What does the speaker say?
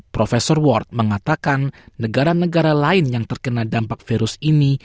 profesor ward mengatakan negara negara lain yang terkena dampak virus ini